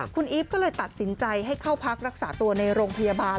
คุณอีฟก็เลยตัดสินใจให้เข้าพักรักษาตัวในโรงพยาบาล